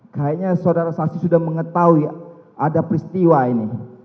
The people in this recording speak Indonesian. kayaknya saudara saksi sudah mengetahui ada peristiwa ini